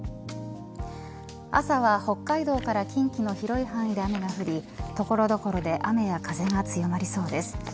朝は北海道から近畿の広い範囲で雨が降り所々で雨や風が強まりそうです。